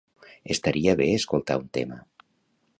Estaria bé escoltar un tema.